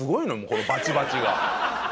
このバチバチが。